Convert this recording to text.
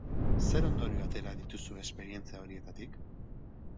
Zer ondorio atera dituzue esperientzia horietatik?